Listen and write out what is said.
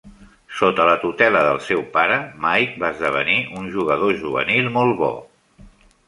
Sota la tutela del seu pare, Mike va esdevenir un jugador juvenil molt bo.